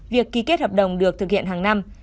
việc ký kết hợp đồng được thực hiện hàng năm